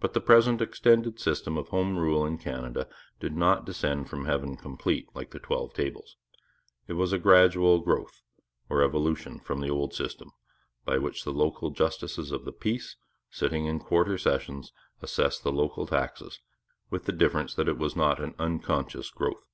But the present extended system of home rule in Canada did not descend from heaven complete, like the Twelve Tables. It was a gradual growth, or evolution, from the old system, by which the local justices of the peace, sitting in quarter sessions, assessed the local taxes, with the difference that it was not an unconscious growth.